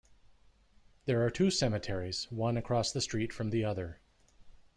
There are two cemeteries, one across the street from the other.